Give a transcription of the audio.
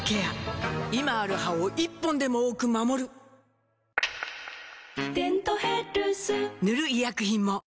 今ある歯を１本でも多く守る「デントヘルス」塗る医薬品も